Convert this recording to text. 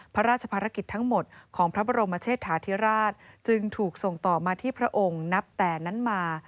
พระราชภารกิจทั้งหมดของพระบรมเชษฐาธิราชจึงถูกส่งต่อมาที่พระองค์นับแต่นั้นมา